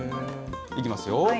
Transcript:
いきますよ。